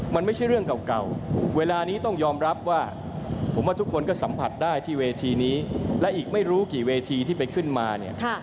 มันไม่ใช่เรื่องเก่าเวลานี้ต้องยอมรับว่าผมว่าทุกคนก็สัมผัสได้ที่เวทีนี้และอีกไม่รู้กี่เวทีที่ไปขึ้นมาเนี่ย